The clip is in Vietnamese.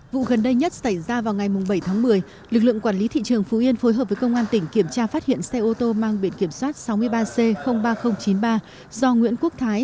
vụ gần đây nhất xảy ra vào ngày bảy tháng một mươi lực lượng quản lý thị trường phú yên phối hợp với công an tỉnh kiểm tra phát hiện xe ô tô mang biển kiểm soát sáu mươi ba c ba nghìn chín mươi ba do nguyễn quốc thái